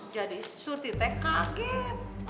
jadi surti teh kaget